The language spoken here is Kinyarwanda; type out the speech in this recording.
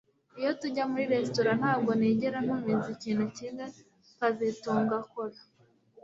Iyo tujya muri resitora ntabwo nigera ntumiza ikintu kimwe kazitunga akora